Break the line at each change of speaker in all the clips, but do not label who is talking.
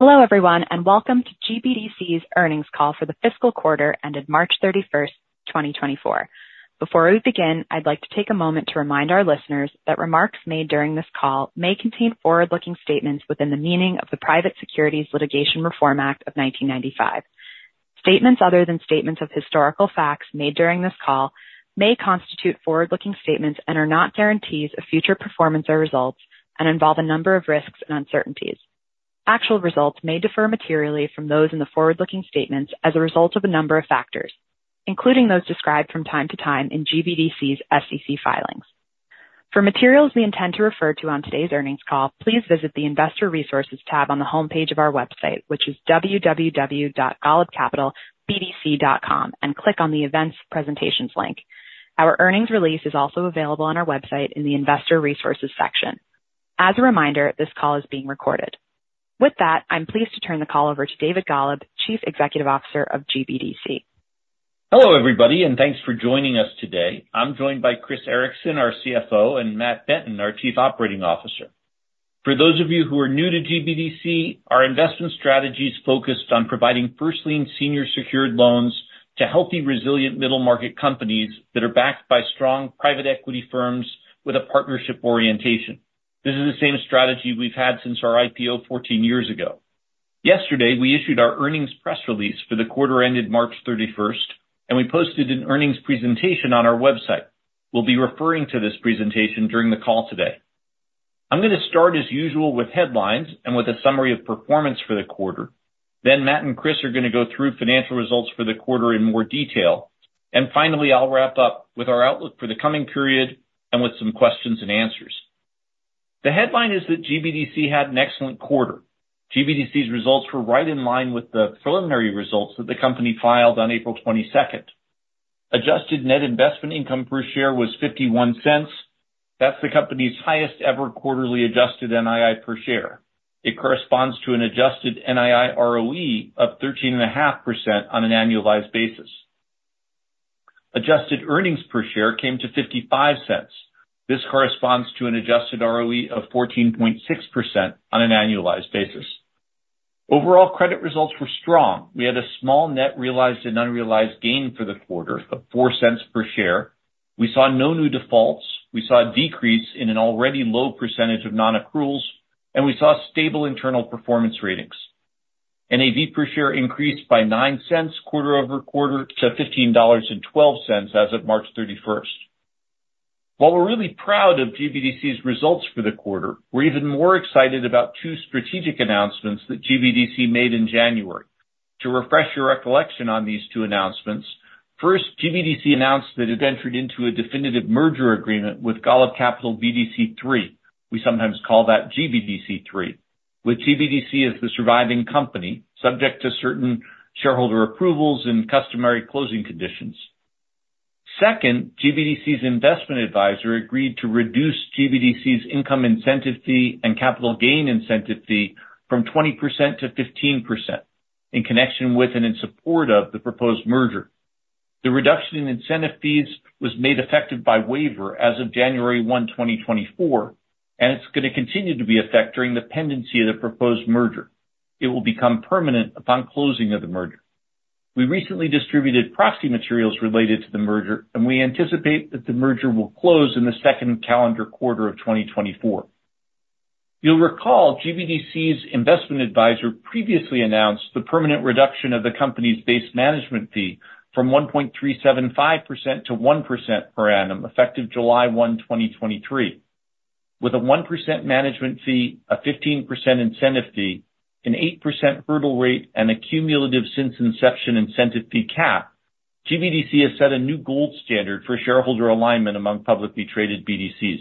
Hello, everyone, and welcome to GBDC's earnings call for the fiscal quarter ended March 31st, 2024. Before we begin, I'd like to take a moment to remind our listeners that remarks made during this call may contain forward-looking statements within the meaning of the Private Securities Litigation Reform Act of 1995. Statements other than statements of historical facts made during this call may constitute forward-looking statements and are not guarantees of future performance or results and involve a number of risks and uncertainties. Actual results may differ materially from those in the forward-looking statements as a result of a number of factors, including those described from time to time in GBDC's SEC filings. For materials we intend to refer to on today's earnings call, please visit the Investor Resources tab on the homepage of our website, which is www.golubcapitalbdc.com, and click on the Events & Presentations link. Our earnings release is also available on our website in the Investor Resources section. As a reminder, this call is being recorded. With that, I'm pleased to turn the call over to David Golub, Chief Executive Officer of GBDC.
Hello, everybody, and thanks for joining us today. I'm joined by Chris Ericson, our CFO, and Matt Benton, our Chief Operating Officer. For those of you who are new to GBDC, our investment strategy is focused on providing first lien senior secured loans to healthy, resilient middle-market companies that are backed by strong private equity firms with a partnership orientation. This is the same strategy we've had since our IPO 14 years ago. Yesterday, we issued our earnings press release for the quarter ended March thirty-first, and we posted an earnings presentation on our website. We'll be referring to this presentation during the call today. I'm gonna start, as usual, with headlines and with a summary of performance for the quarter. Then Matt and Chris are gonna go through financial results for the quarter in more detail. Finally, I'll wrap up with our outlook for the coming period and with some questions and answers. The headline is that GBDC had an excellent quarter. GBDC's results were right in line with the preliminary results that the company filed on April 22. Adjusted net investment income per share was $0.51. That's the company's highest ever quarterly adjusted NII per share. It corresponds to an adjusted NII ROE of 13.5% on an annualized basis. Adjusted earnings per share came to $0.55. This corresponds to an adjusted ROE of 14.6% on an annualized basis. Overall, credit results were strong. We had a small net realized and unrealized gain for the quarter of $0.04 per share. We saw no new defaults. We saw a decrease in an already low percentage of non-accruals, and we saw stable internal performance ratings. NAV per share increased by $0.09 quarter over quarter to $15.12 as of March 31. While we're really proud of GBDC's results for the quarter, we're even more excited about 2 strategic announcements that GBDC made in January. To refresh your recollection on these 2 announcements, first, GBDC announced that it entered into a definitive merger agreement with Golub Capital BDC 3. We sometimes call that GBDC 3, with GBDC as the surviving company, subject to certain shareholder approvals and customary closing conditions. Second, GBDC's investment advisor agreed to reduce GBDC's income incentive fee and capital gain incentive fee from 20% to 15% in connection with and in support of the proposed merger. The reduction in incentive fees was made effective by waiver as of January 1, 2024, and it's gonna continue to be in effect during the pendency of the proposed merger. It will become permanent upon closing of the merger. We recently distributed proxy materials related to the merger, and we anticipate that the merger will close in the second calendar quarter of 2024. You'll recall GBDC's investment advisor previously announced the permanent reduction of the company's base management fee from 1.375% to 1% per annum, effective July 1, 2023. With a 1% management fee, a 15% incentive fee, an 8% hurdle rate, and a cumulative since inception incentive fee cap, GBDC has set a new gold standard for shareholder alignment among publicly traded BDCs.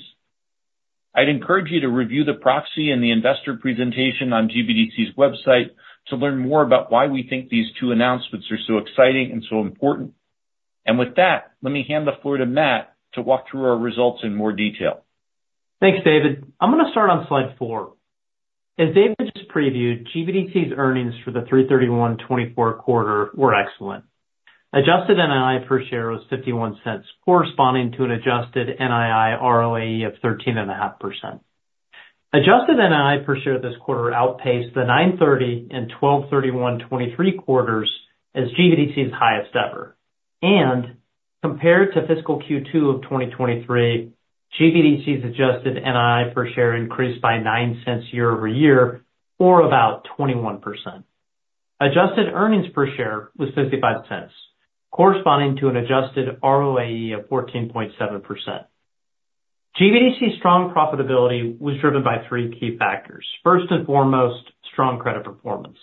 I'd encourage you to review the proxy and the investor presentation on GBDC's website to learn more about why we think these two announcements are so exciting and so important. With that, let me hand the floor to Matt to walk through our results in more detail.
Thanks, David. I'm gonna start on slide 4. As David just previewed, GBDC's earnings for the 3/31/2024 quarter were excellent. Adjusted NII per share was $0.51, corresponding to an adjusted NII ROE of 13.5%. Adjusted NII per share this quarter outpaced the 9/30/2023 and 12/31/2023 quarters as GBDC's highest ever. Compared to fiscal Q2 of 2023, GBDC's adjusted NII per share increased by $0.09 year-over-year, or about 21%. Adjusted earnings per share was $0.55, corresponding to an adjusted ROAE of 14.7%. GBDC's strong profitability was driven by three key factors. First and foremost, strong credit performance.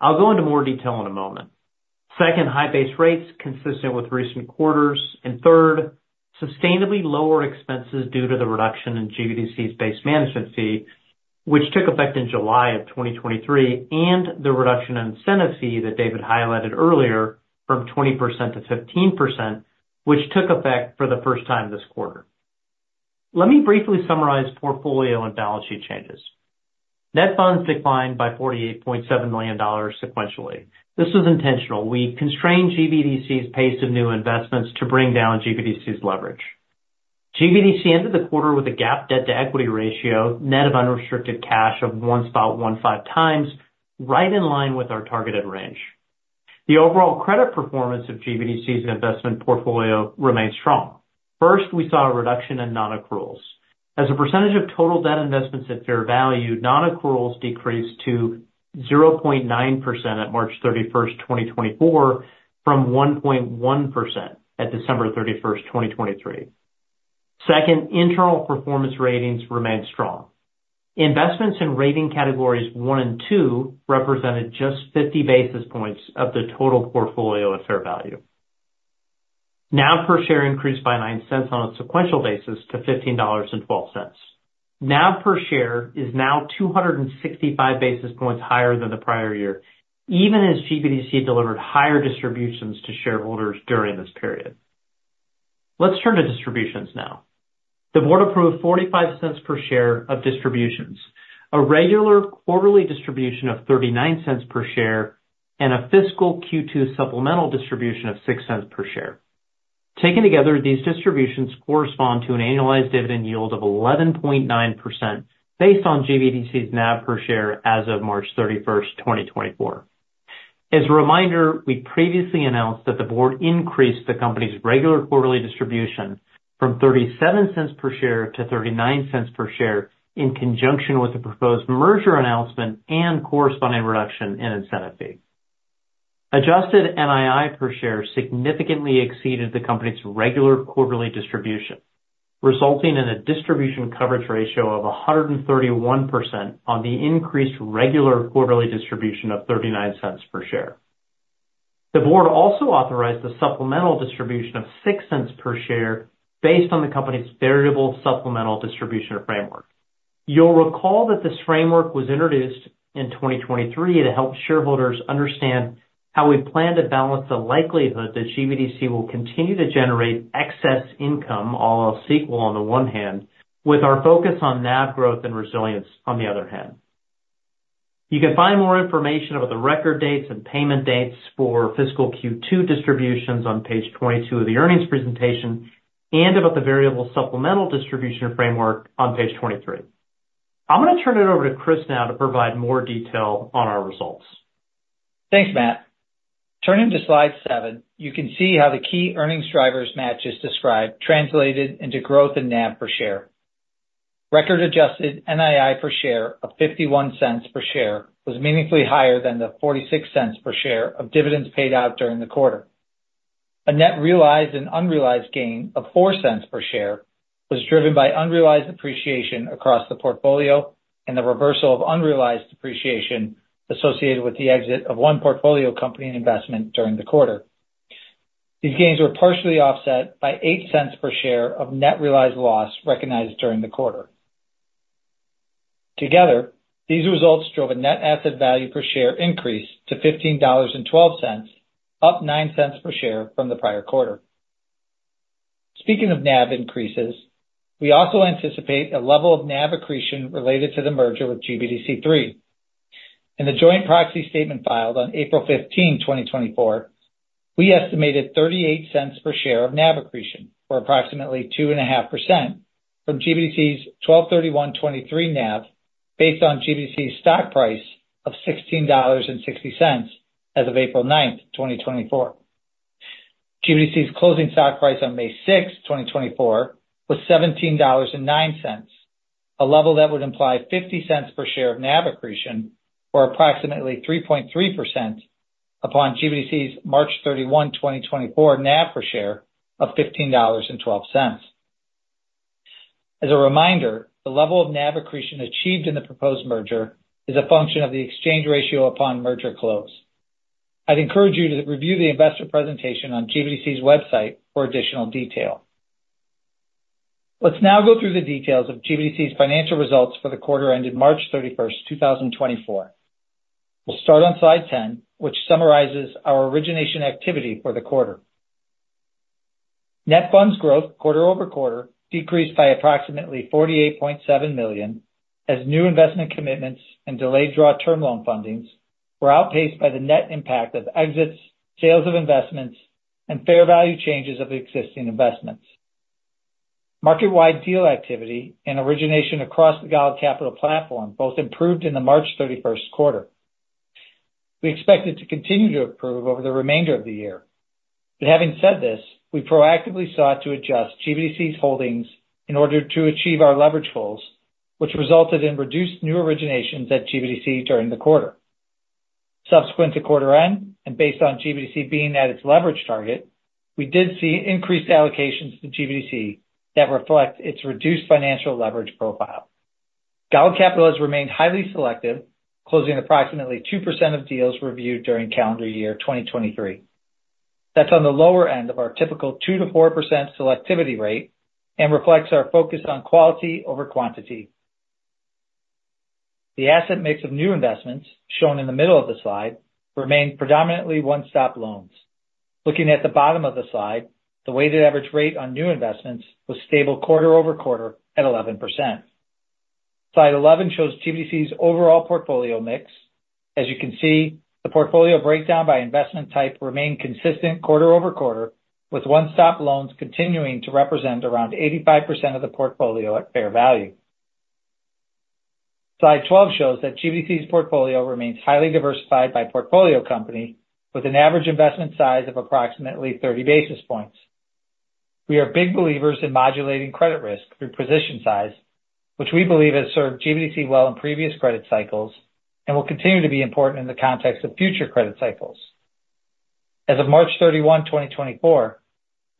I'll go into more detail in a moment. Second, high base rates consistent with recent quarters. And third, sustainably lower expenses due to the reduction in GBDC's base management fee, which took effect in July of 2023, and the reduction in incentive fee that David highlighted earlier from 20% to 15%, which took effect for the first time this quarter. Let me briefly summarize portfolio and balance sheet changes. Net funds declined by $48.7 million sequentially. This was intentional. We constrained GBDC's pace of new investments to bring down GBDC's leverage. GBDC ended the quarter with a GAAP debt-to-equity ratio net of unrestricted cash of 1.15 times, right in line with our targeted range. The overall credit performance of GBDC's investment portfolio remains strong. First, we saw a reduction in non-accruals. As a percentage of total debt investments at fair value, non-accruals decreased to 0.9% at March 31, 2024, from 1.1% at December 31, 2023. Second, internal performance ratings remained strong. Investments in rating categories one and two represented just 50 basis points of the total portfolio at fair value. NAV per share increased by $0.09 on a sequential basis to $15.12. NAV per share is now 265 basis points higher than the prior year, even as GBDC delivered higher distributions to shareholders during this period. Let's turn to distributions now. The board approved $0.45 per share of distributions, a regular quarterly distribution of $0.39 per share, and a fiscal Q2 supplemental distribution of $0.06 per share. Taken together, these distributions correspond to an annualized dividend yield of 11.9% based on GBDC's NAV per share as of March 31st, 2024. As a reminder, we previously announced that the board increased the company's regular quarterly distribution from $0.37 per share to $0.39 per share, in conjunction with the proposed merger announcement and corresponding reduction in incentive fees. Adjusted NII per share significantly exceeded the company's regular quarterly distribution, resulting in a distribution coverage ratio of 131% on the increased regular quarterly distribution of $0.39 per share. The board also authorized a supplemental distribution of $0.06 per share based on the company's variable supplemental distribution framework. You'll recall that this framework was introduced in 2023 to help shareholders understand how we plan to balance the likelihood that GBDC will continue to generate excess income, all else equal on the one hand, with our focus on NAV growth and resilience, on the other hand. You can find more information about the record dates and payment dates for fiscal Q2 distributions on page 22 of the earnings presentation, and about the variable supplemental distribution framework on page 23. I'm going to turn it over to Chris now to provide more detail on our results.
Thanks, Matt. Turning to slide 7, you can see how the key earnings drivers Matt just described translated into growth and NAV per share. Record adjusted NII per share of $0.51 was meaningfully higher than the $0.46 per share of dividends paid out during the quarter. A net realized and unrealized gain of $0.04 per share was driven by unrealized appreciation across the portfolio and the reversal of unrealized appreciation associated with the exit of one portfolio company and investment during the quarter. These gains were partially offset by $0.08 per share of net realized loss recognized during the quarter. Together, these results drove a net asset value per share increase to $15.12, up $0.09 per share from the prior quarter. Speaking of NAV increases, we also anticipate a level of NAV accretion related to the merger with GBDC 3. In the joint proxy statement filed on April 15, 2024, we estimated $0.38 per share of NAV accretion, or approximately 2.5%, from GBDC's 12/31/2023 NAV, based on GBDC's stock price of $16.60 as of April 9, 2024. GBDC's closing stock price on May 6, 2024, was $17.09, a level that would imply $0.50 per share of NAV accretion, or approximately 3.3% upon GBDC's March 31, 2024, NAV per share of $15.12. As a reminder, the level of NAV accretion achieved in the proposed merger is a function of the exchange ratio upon merger close. I'd encourage you to review the investor presentation on GBDC's website for additional detail. Let's now go through the details of GBDC's financial results for the quarter ended March 31, 2024. We'll start on slide 10, which summarizes our origination activity for the quarter. Net funds growth quarter-over-quarter decreased by approximately $48.7 million, as new investment commitments and delayed draw term loan fundings were outpaced by the net impact of exits, sales of investments, and fair value changes of existing investments. Market-wide deal activity and origination across the Golub Capital platform both improved in the March 31 quarter. We expect it to continue to improve over the remainder of the year. But having said this, we proactively sought to adjust GBDC's holdings in order to achieve our leverage goals, which resulted in reduced new originations at GBDC during the quarter. Subsequent to quarter end, and based on GBDC being at its leverage target, we did see increased allocations to GBDC that reflect its reduced financial leverage profile. Golub Capital has remained highly selective, closing approximately 2% of deals reviewed during calendar year 2023. That's on the lower end of our typical 2%-4% selectivity rate and reflects our focus on quality over quantity. The asset mix of new investments, shown in the middle of the slide, remained predominantly One-Stop loans. Looking at the bottom of the slide, the weighted average rate on new investments was stable quarter-over-quarter at 11%.... Slide 11 shows GBDC's overall portfolio mix. As you can see, the portfolio breakdown by investment type remained consistent quarter-over-quarter, with One-Stop loans continuing to represent around 85% of the portfolio at fair value. Slide 12 shows that GBDC's portfolio remains highly diversified by portfolio company, with an average investment size of approximately 30 basis points. We are big believers in modulating credit risk through position size, which we believe has served GBDC well in previous credit cycles and will continue to be important in the context of future credit cycles. As of March 31, 2024,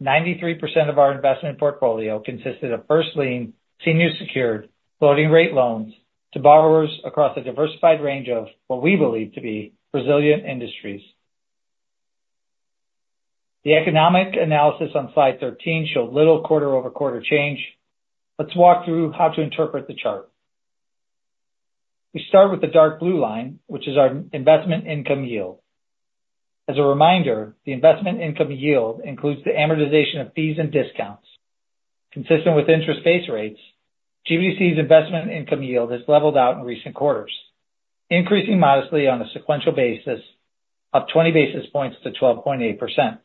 93% of our investment portfolio consisted of first lien, senior secured floating rate loans to borrowers across a diversified range of what we believe to be resilient industries. The economic analysis on slide 13 showed little quarter-over-quarter change. Let's walk through how to interpret the chart. We start with the dark blue line, which is our investment income yield. As a reminder, the investment income yield includes the amortization of fees and discounts. Consistent with interest base rates, GBDC's investment income yield has leveled out in recent quarters, increasing modestly on a sequential basis of 20 basis points to 12.8%.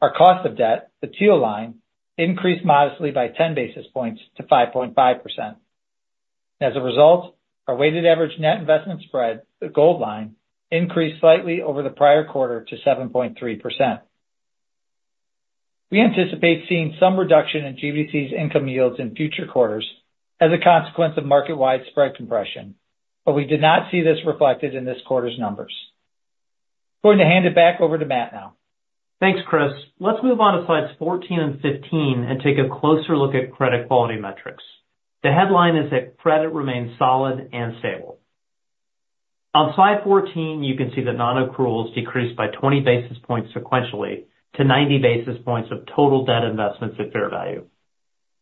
Our cost of debt, the teal line, increased modestly by 10 basis points to 5.5%. As a result, our weighted average net investment spread, the gold line, increased slightly over the prior quarter to 7.3%. We anticipate seeing some reduction in GBDC's income yields in future quarters as a consequence of market-wide spread compression, but we did not see this reflected in this quarter's numbers. Going to hand it back over to Matt now.
Thanks, Chris. Let's move on to slides 14 and 15 and take a closer look at credit quality metrics. The headline is that credit remains solid and stable. On slide 14, you can see that non-accruals decreased by 20 basis points sequentially to 90 basis points of total debt investments at fair value.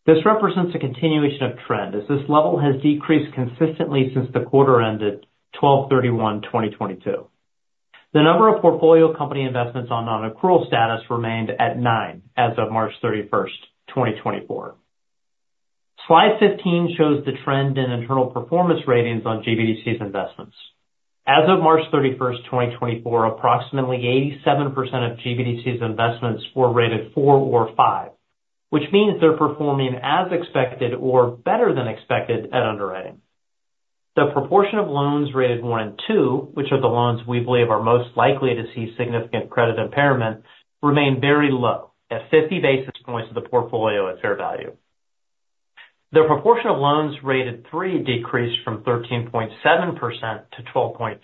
This represents a continuation of trend, as this level has decreased consistently since the quarter ended 12/31/2022. The number of portfolio company investments on non-accrual status remained at nine as of March 31, 2024. Slide 15 shows the trend in internal performance ratings on GBDC's investments. As of March 31, 2024, approximately 87% of GBDC's investments were rated four or five, which means they're performing as expected or better than expected at underwriting. The proportion of loans rated one and two, which are the loans we believe are most likely to see significant credit impairment, remain very low at 50 basis points of the portfolio at fair value. The proportion of loans rated three decreased from 13.7% to 12.3%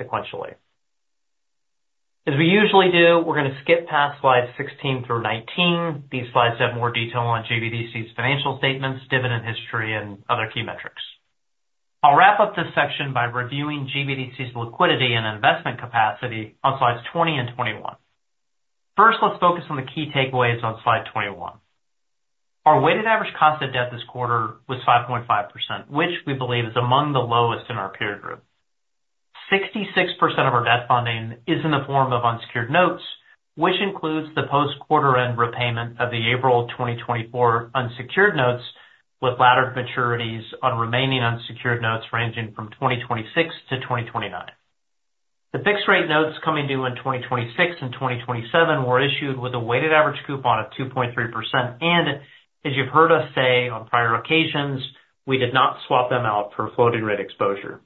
sequentially. As we usually do, we're gonna skip past slides 16 through 19. These slides have more detail on GBDC's financial statements, dividend history, and other key metrics. I'll wrap up this section by reviewing GBDC's liquidity and investment capacity on slides 20 and 21. First, let's focus on the key takeaways on slide 21. Our weighted average cost of debt this quarter was 5.5%, which we believe is among the lowest in our peer group. 66% of our debt funding is in the form of unsecured notes, which includes the post-quarter end repayment of the April 2024 unsecured notes, with laddered maturities on remaining unsecured notes ranging from 2026 to 2029. The fixed rate notes coming due in 2026 and 2027 were issued with a weighted average coupon of 2.3%, and as you've heard us say on prior occasions, we did not swap them out for floating rate exposure.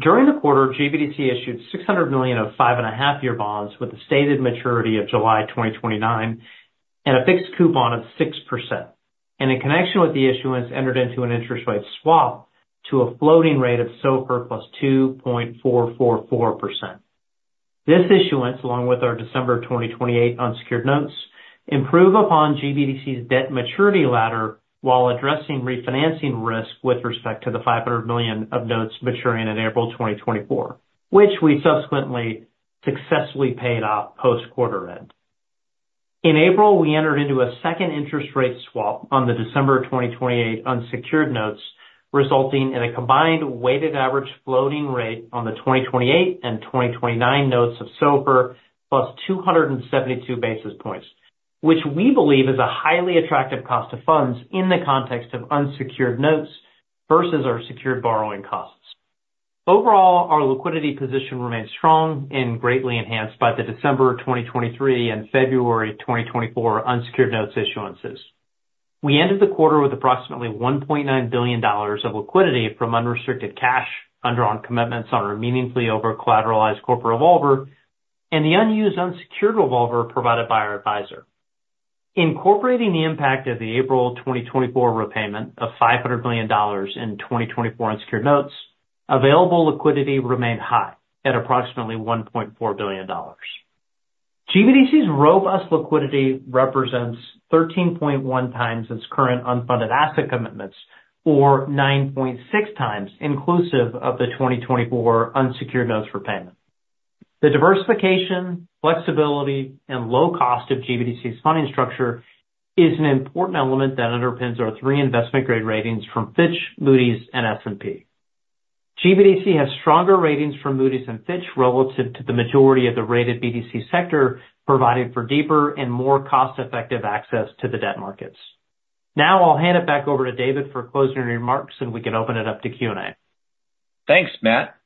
During the quarter, GBDC issued $600 million of 5.5-year bonds with a stated maturity of July 2029 and a fixed coupon of 6%, and in connection with the issuance, entered into an interest rate swap to a floating rate of SOFR plus 2.444%. This issuance, along with our December 2028 unsecured notes, improve upon GBDC's debt maturity ladder while addressing refinancing risk with respect to the $500 million of notes maturing in April 2024, which we subsequently successfully paid off post-quarter end. In April, we entered into a second interest rate swap on the December 2028 unsecured notes, resulting in a combined weighted average floating rate on the 2028 and 2029 notes of SOFR plus 272 basis points, which we believe is a highly attractive cost of funds in the context of unsecured notes versus our secured borrowing costs. Overall, our liquidity position remains strong and greatly enhanced by the December 2023 and February 2024 unsecured notes issuances. We ended the quarter with approximately $1.9 billion of liquidity from unrestricted cash, undrawn commitments on our meaningfully over-collateralized corporate revolver, and the unused unsecured revolver provided by our advisor. Incorporating the impact of the April 2024 repayment of $500 million in 2024 unsecured notes, available liquidity remained high at approximately $1.4 billion. GBDC's robust liquidity represents 13.1 times its current unfunded asset commitments, or 9.6 times inclusive of the 2024 unsecured notes repayment. The diversification, flexibility, and low cost of GBDC's funding structure is an important element that underpins our three investment grade ratings from Fitch, Moody's, and S&P. GBDC has stronger ratings from Moody's and Fitch relative to the majority of the rated BDC sector, providing for deeper and more cost-effective access to the debt markets. Now I'll hand it back over to David for closing remarks, and we can open it up to Q&A.
Thanks, Matt.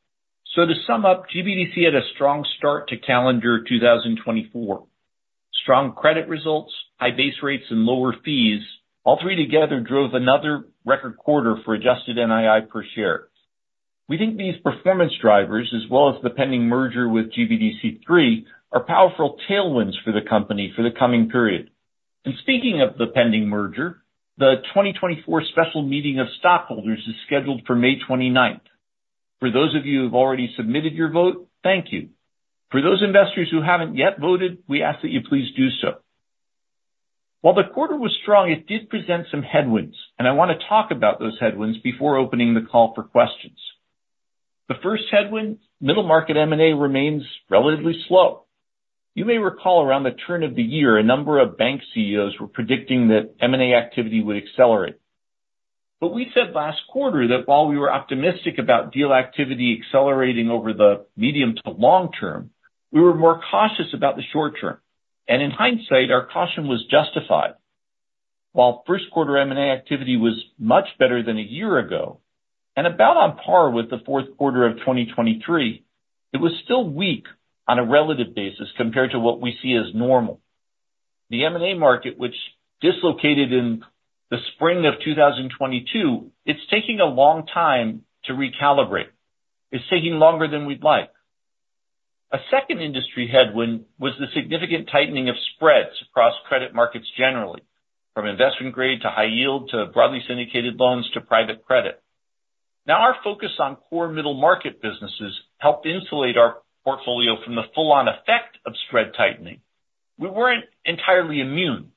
So to sum up, GBDC had a strong start to calendar 2024. Strong credit results, high base rates and lower fees, all three together drove another record quarter for adjusted NII per share. We think these performance drivers, as well as the pending merger with GBDC 3, are powerful tailwinds for the company for the coming period. And speaking of the pending merger, the 2024 special meeting of stockholders is scheduled for May 29th. For those of you who've already submitted your vote, thank you. For those investors who haven't yet voted, we ask that you please do so. While the quarter was strong, it did present some headwinds, and I want to talk about those headwinds before opening the call for questions. The first headwind, middle market M&A remains relatively slow. You may recall, around the turn of the year, a number of bank CEOs were predicting that M&A activity would accelerate. But we said last quarter that while we were optimistic about deal activity accelerating over the medium to long term, we were more cautious about the short term. And in hindsight, our caution was justified. While first quarter M&A activity was much better than a year ago, and about on par with the fourth quarter of 2023, it was still weak on a relative basis compared to what we see as normal. The M&A market, which dislocated in the spring of 2022, it's taking a long time to recalibrate. It's taking longer than we'd like. A second industry headwind was the significant tightening of spreads across credit markets generally, from investment grade to high yield to broadly syndicated loans to private credit. Now, our focus on core middle market businesses helped insulate our portfolio from the full-on effect of spread tightening. We weren't entirely immune.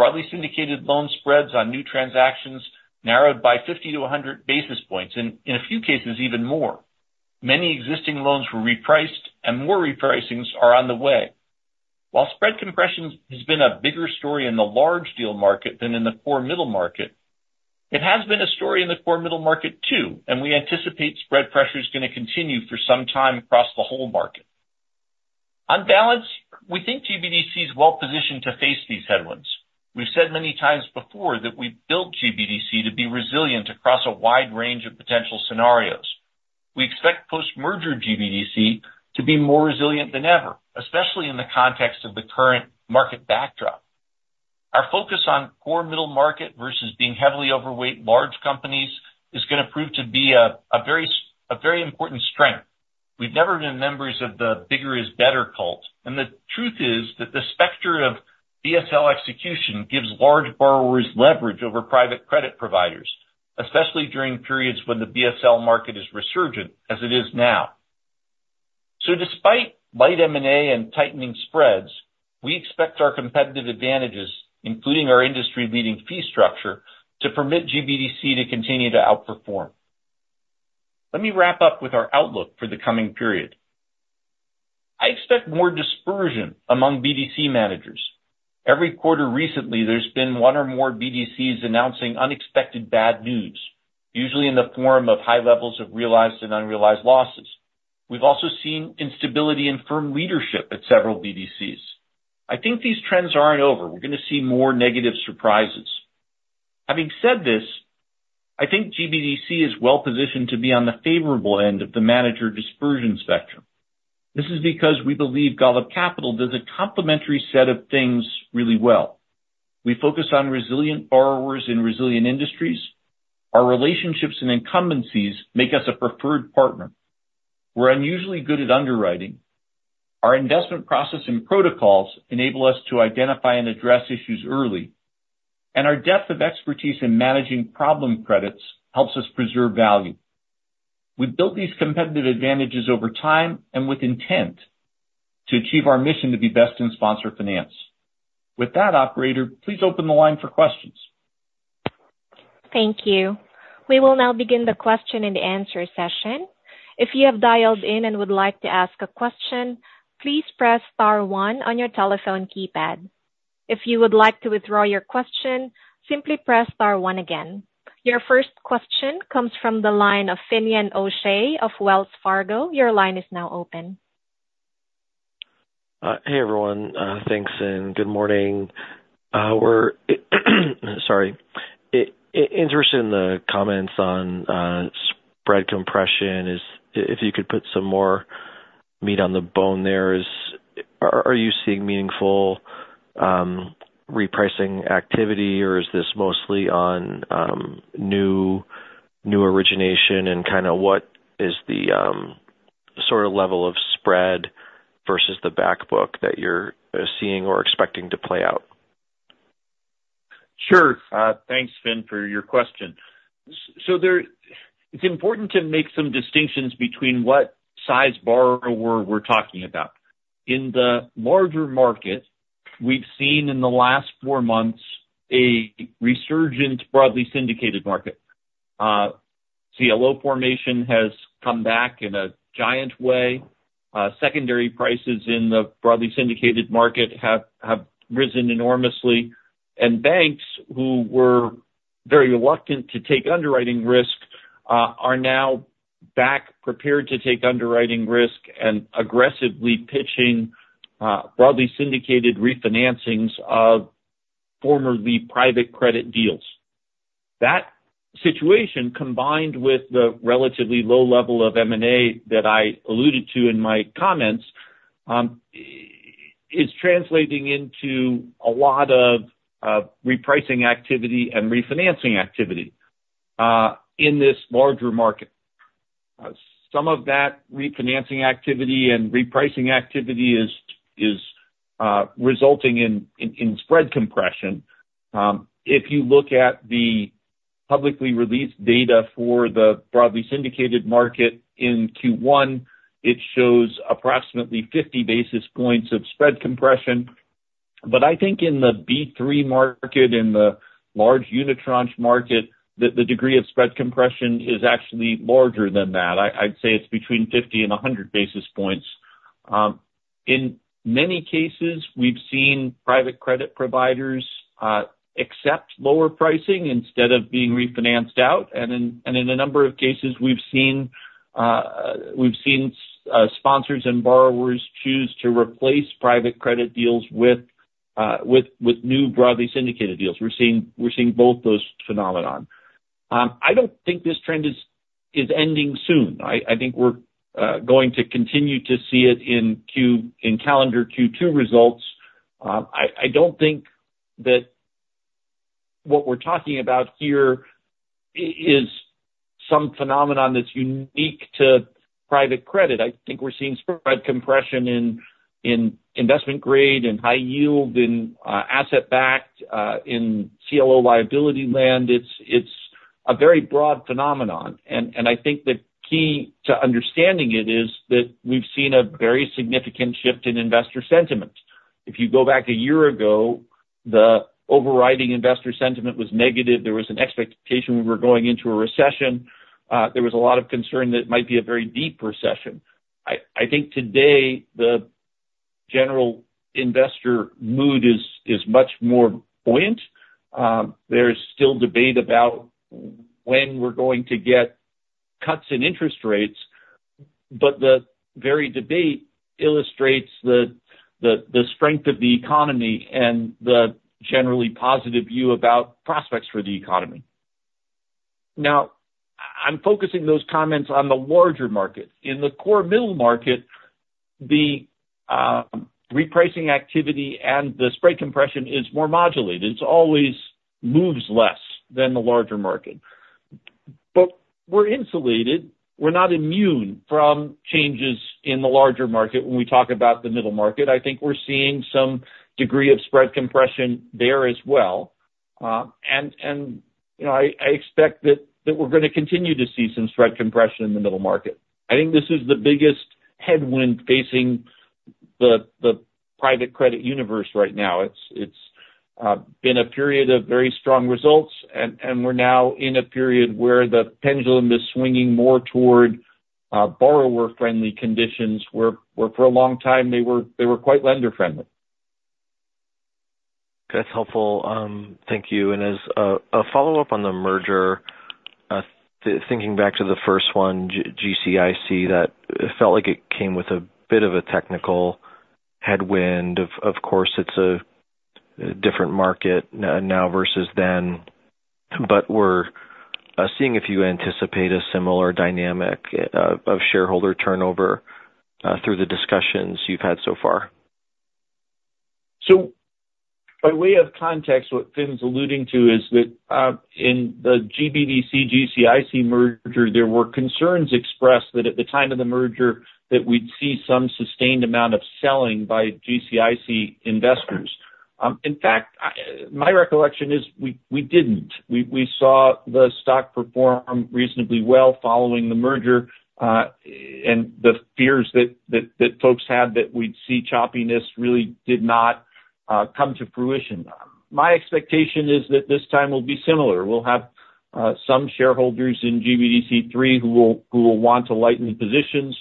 Broadly syndicated loan spreads on new transactions narrowed by 50-100 basis points, and in a few cases, even more. Many existing loans were repriced, and more repricings are on the way. While spread compression has been a bigger story in the large deal market than in the core middle market, it has been a story in the core middle market too, and we anticipate spread pressure is going to continue for some time across the whole market. On balance, we think GBDC is well positioned to face these headwinds. We've said many times before that we've built GBDC to be resilient across a wide range of potential scenarios. We expect post-merger GBDC to be more resilient than ever, especially in the context of the current market backdrop. Our focus on core middle market versus being heavily overweight large companies is going to prove to be a very important strength. We've never been members of the bigger is better cult, and the truth is that the specter of BSL execution gives large borrowers leverage over private credit providers, especially during periods when the BSL market is resurgent, as it is now. So despite light M&A and tightening spreads, we expect our competitive advantages, including our industry-leading fee structure, to permit GBDC to continue to outperform. Let me wrap up with our outlook for the coming period. I expect more dispersion among BDC managers. Every quarter recently, there's been one or more BDCs announcing unexpected bad news, usually in the form of high levels of realized and unrealized losses. We've also seen instability in firm leadership at several BDCs. I think these trends aren't over. We're going to see more negative surprises. Having said this, I think GBDC is well positioned to be on the favorable end of the manager dispersion spectrum. This is because we believe Golub Capital does a complementary set of things really well. We focus on resilient borrowers in resilient industries. Our relationships and incumbencies make us a preferred partner. We're unusually good at underwriting. Our investment process and protocols enable us to identify and address issues early, and our depth of expertise in managing problem credits helps us preserve value. We've built these competitive advantages over time and with intent to achieve our mission to be best in sponsor finance. With that, operator, please open the line for questions.
Thank you. We will now begin the question and answer session. If you have dialed in and would like to ask a question, please press * one on your telephone keypad. If you would like to withdraw your question, simply press * one again. Your first question comes from the line of Finian O'Shea of Wells Fargo. Your line is now open.
Hey, everyone, thanks, and good morning. We're sorry. I'm interested in the comments on spread compression. Is... If you could put some more meat on the bone there. Are you seeing meaningful repricing activity, or is this mostly on new origination? And kind of what is the sort of level of spread versus the back book that you're seeing or expecting to play out?
Sure. Thanks, Finn, for your question. So, it's important to make some distinctions between what size borrower we're talking about. In the larger market, we've seen in the last four months a resurgent, broadly syndicated market. CLO formation has come back in a giant way. Secondary prices in the broadly syndicated market have risen enormously, and banks who were very reluctant to take underwriting risk are now back, prepared to take underwriting risk, and aggressively pitching broadly syndicated refinancings of formerly private credit deals. That situation, combined with the relatively low level of M&A that I alluded to in my comments, is translating into a lot of repricing activity and refinancing activity in this larger market. Some of that refinancing activity and repricing activity is resulting in spread compression. If you look at the publicly released data for the broadly syndicated market in Q1, it shows approximately 50 basis points of spread compression. But I think in the B3 market, in the large unitranche market, the degree of spread compression is actually larger than that. I'd say it's between 50 and 100 basis points. In many cases, we've seen private credit providers accept lower pricing instead of being refinanced out, and in a number of cases, we've seen sponsors and borrowers choose to replace private credit deals with new broadly syndicated deals. We're seeing both those phenomena. I don't think this trend is ending soon. I think we're going to continue to see it in calendar Q2 results. I don't think that what we're talking about here is some phenomenon that's unique to private credit. I think we're seeing spread compression in investment grade and high yield, in asset-backed, in CLO liability land. It's a very broad phenomenon, and I think the key to understanding it is that we've seen a very significant shift in investor sentiment. If you go back a year ago, the overriding investor sentiment was negative. There was an expectation we were going into a recession. There was a lot of concern that it might be a very deep recession. I think today, the general investor mood is much more buoyant. There's still debate about when we're going to get cuts in interest rates, but the very debate illustrates the strength of the economy and the generally positive view about prospects for the economy. Now, I'm focusing those comments on the larger market. In the core middle market, the repricing activity and the spread compression is more modulated. It's always moves less than the larger market. But we're insulated, we're not immune from changes in the larger market when we talk about the middle market. I think we're seeing some degree of spread compression there as well. And, you know, I expect that we're gonna continue to see some spread compression in the middle market. I think this is the biggest headwind facing the private credit universe right now. It's been a period of very strong results, and we're now in a period where the pendulum is swinging more toward borrower-friendly conditions, where for a long time, they were quite lender friendly.
That's helpful. Thank you. And as a follow-up on the merger, thinking back to the first one, GCIC, that it felt like it came with a bit of a technical headwind. Of course, it's a different market now versus then, but we're seeing if you anticipate a similar dynamic of shareholder turnover through the discussions you've had so far.
So by way of context, what Finn's alluding to is that, in the GBDC, GCIC merger, there were concerns expressed that at the time of the merger, that we'd see some sustained amount of selling by GCIC investors. In fact, my recollection is we didn't. We saw the stock perform reasonably well following the merger, and the fears that folks had that we'd see choppiness really did not come to fruition. My expectation is that this time will be similar. We'll have some shareholders in GBDC 3 who will want to lighten positions.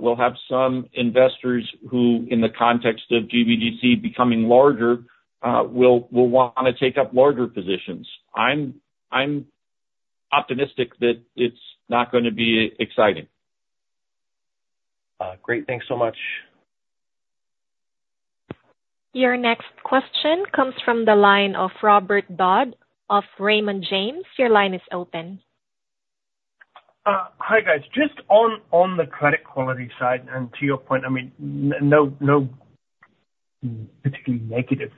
We'll have some investors who, in the context of GBDC becoming larger, will wanna take up larger positions. I'm optimistic that it's not gonna be exciting.
Great. Thanks so much.
Your next question comes from the line of Robert Dodd of Raymond James. Your line is open.
Hi, guys. Just on the credit quality side, and to your point, I mean, no particularly negative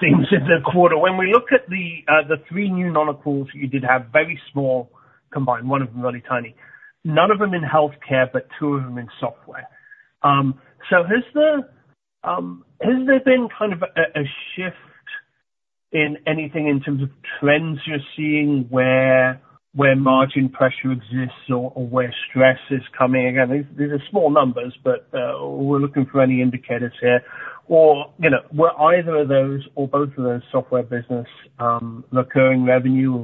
things in the quarter. When we look at the three new non-accruals, you did have very small combined, one of them really tiny. None of them in healthcare, but two of them in software. So has there been kind of a shift in anything in terms of trends you're seeing, where margin pressure exists or where stress is coming? Again, these are small numbers, but we're looking for any indicators here. Or, you know, were either of those or both of those software business recurring revenue, or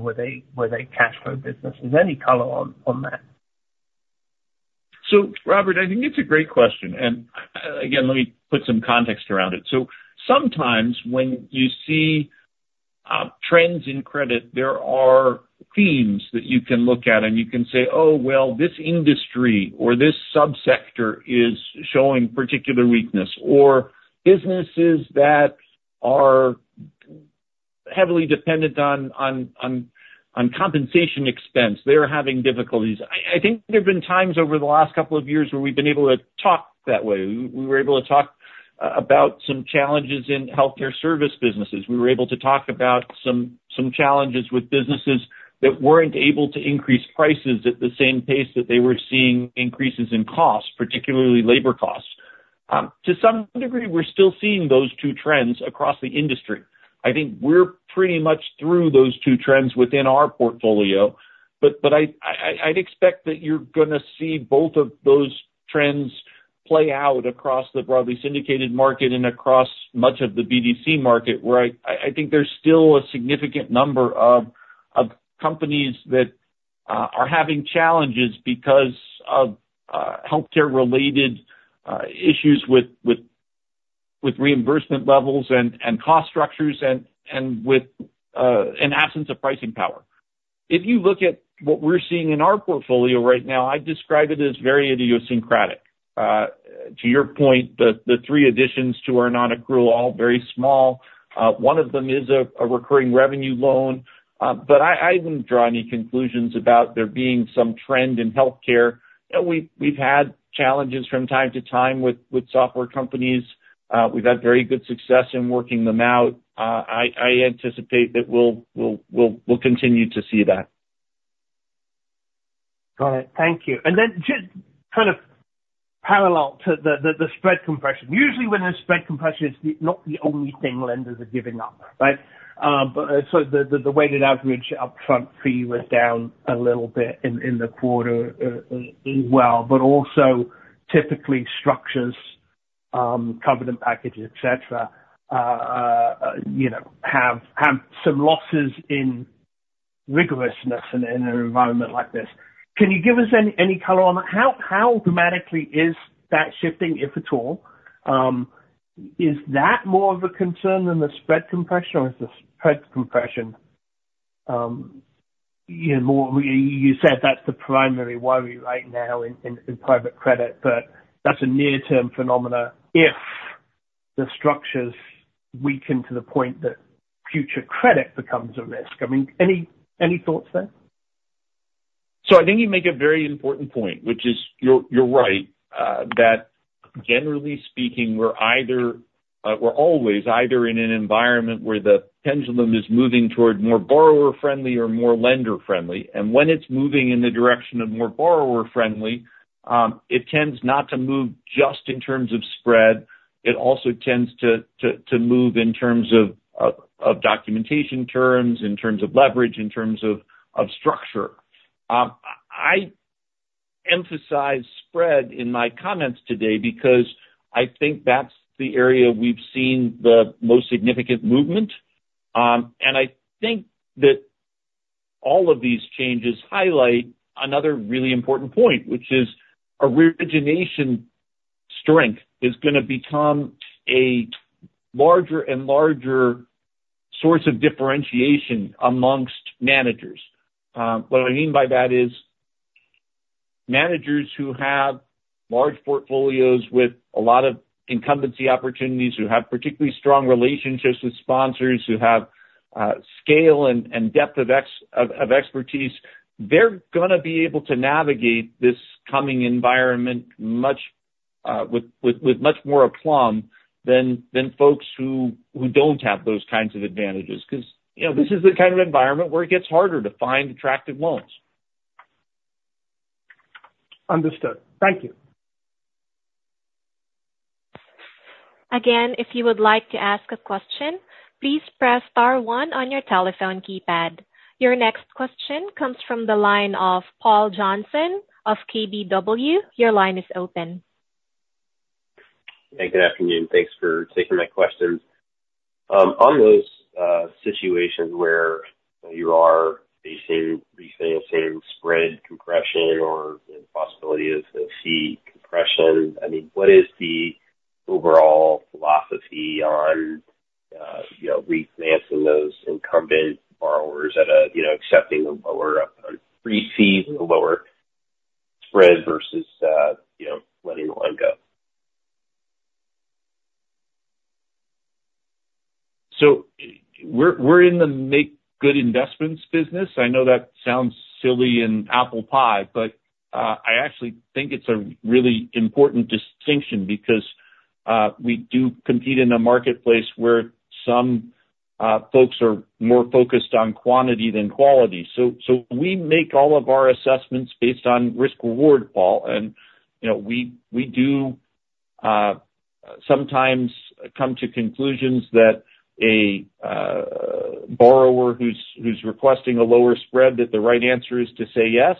were they cash flow business? Is there any color on that? ...
So, Robert, I think it's a great question, and, again, let me put some context around it. So sometimes when you see trends in credit, there are themes that you can look at, and you can say, "Oh, well, this industry or this sub-sector is showing particular weakness, or businesses that are heavily dependent on compensation expense, they're having difficulties." I think there have been times over the last couple of years where we've been able to talk that way. We were able to talk about some challenges in healthcare service businesses. We were able to talk about some challenges with businesses that weren't able to increase prices at the same pace that they were seeing increases in costs, particularly labor costs. To some degree, we're still seeing those two trends across the industry. I think we're pretty much through those two trends within our portfolio, but I'd expect that you're gonna see both of those trends play out across the broadly syndicated market and across much of the BDC market, where I think there's still a significant number of companies that are having challenges because of healthcare-related issues with reimbursement levels and cost structures and with an absence of pricing power. If you look at what we're seeing in our portfolio right now, I'd describe it as very idiosyncratic. To your point, the three additions to our nonaccrual, all very small. One of them is a recurring revenue loan. But I wouldn't draw any conclusions about there being some trend in healthcare. You know, we've had challenges from time to time with software companies. We've had very good success in working them out. I anticipate that we'll continue to see that.
Got it. Thank you. And then just kind of parallel to the spread compression. Usually, when there's spread compression, it's not the only thing lenders are giving up, right? But, so the weighted average upfront fee was down a little bit in the quarter, as well, but also typically structures, covenant packages, et cetera, you know, have some losses in rigorousness in an environment like this. Can you give us any color on how dramatically is that shifting, if at all? Is that more of a concern than the spread compression, or is the spread compression, you know, more. You said that's the primary worry right now in private credit, but that's a near-term phenomena, if the structures weaken to the point that future credit becomes a risk. I mean, any thoughts there?
So I think you make a very important point, which is you're right, that generally speaking, we're always either in an environment where the pendulum is moving toward more borrower-friendly or more lender-friendly. And when it's moving in the direction of more borrower-friendly, it tends not to move just in terms of spread. It also tends to move in terms of documentation terms, in terms of leverage, in terms of structure. I emphasize spread in my comments today because I think that's the area we've seen the most significant movement. And I think that all of these changes highlight another really important point, which is origination strength is gonna become a larger and larger source of differentiation amongst managers. What I mean by that is, managers who have large portfolios with a lot of incumbency opportunities, who have particularly strong relationships with sponsors, who have scale and depth of expertise, they're gonna be able to navigate this coming environment with much more aplomb than folks who don't have those kinds of advantages. 'Cause, you know, this is the kind of environment where it gets harder to find attractive loans.
Understood. Thank you.
Again, if you would like to ask a question, please press * one on your telephone keypad. Your next question comes from the line of Paul Johnson of KBW. Your line is open.
Hey, good afternoon. Thanks for taking my questions. On those situations where you are facing refinancing, spread compression or the possibility of fee compression, I mean, what is the overall philosophy on, you know, refinancing those incumbent borrowers at a, you know, accepting a lower fee, a lower spread versus, you know, letting the line go?
So we're in the make good investments business. I know that sounds silly in apple pie, but I actually think it's a really important distinction because we do compete in a marketplace where some folks are more focused on quantity than quality. So we make all of our assessments based on risk-reward, Paul, and, you know, we do sometimes come to conclusions that a borrower who's requesting a lower spread, that the right answer is to say yes.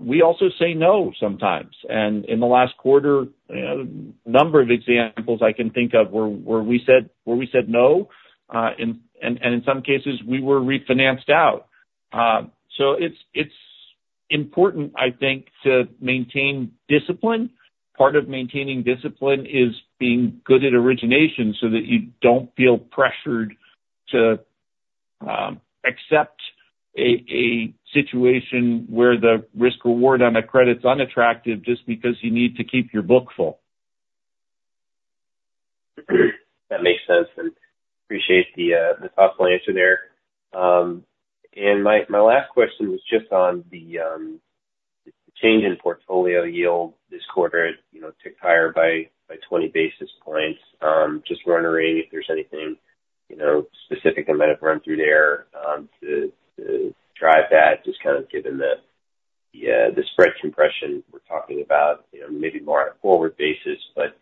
We also say no sometimes, and in the last quarter, a number of examples I can think of where we said no, and in some cases, we were refinanced out. So it's important, I think, to maintain discipline. Part of maintaining discipline is being good at origination, so that you don't feel pressured to accept a situation where the risk-reward on a credit is unattractive just because you need to keep your book full.
That makes sense, and appreciate the, the thoughtful answer there. And my last question was just on the, change in portfolio yield this quarter. It, you know, ticked higher by 20 basis points. Just wondering if there's anything, you know, specific I might have run through there, to drive that, just kind of given the, the spread compression we're talking about, you know, maybe more on a forward basis, but,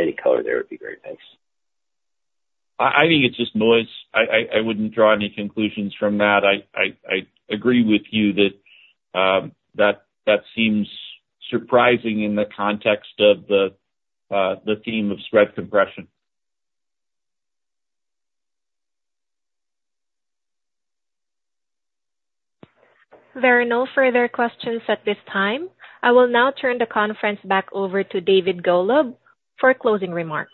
any color there would be great. Thanks.
I think it's just noise. I wouldn't draw any conclusions from that. I agree with you that that seems surprising in the context of the theme of spread compression.
There are no further questions at this time. I will now turn the conference back over to David Golub for closing remarks.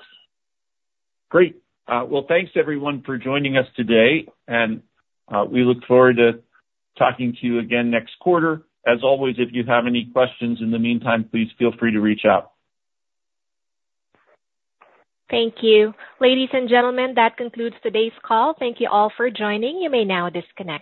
Great. Well, thanks everyone for joining us today, and we look forward to talking to you again next quarter. As always, if you have any questions in the meantime, please feel free to reach out.
Thank you. Ladies and gentlemen, that concludes today's call. Thank you all for joining. You may now disconnect.